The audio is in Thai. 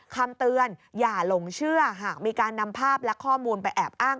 คำเตือนอย่าหลงเชื่อหากมีการนำภาพและข้อมูลไปแอบอ้าง